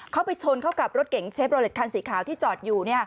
เขาไปชนเข้ากับรถเก่งเชฟรอเล็ดคันสีขาวที่จอดอยู่เนี่ย